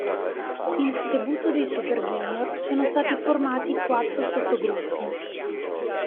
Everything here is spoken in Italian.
Sin dal debutto dei Super Junior, sono stati formati quattro sottogruppi.